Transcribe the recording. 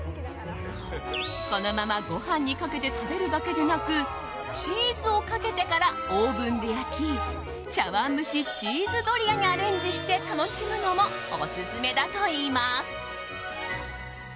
このままご飯にかけて食べるだけでなくチーズをかけてからオーブンで焼き茶わん蒸しチーズドリアにアレンジして楽しむのもオススメだといいます。